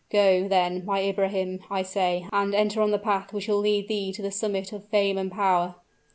Go, then, my Ibrahim, I say, and enter on the path which will lead thee to the summit of fame and power!"